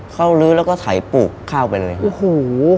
เข้าลื้อแล้วก็ถ่ายปลูกเข้าไปเลยฮะ